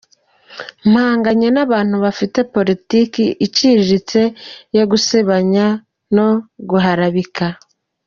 Mpanganye n’ abantu bafite politique iciriritse yo gusebanya no guharabika.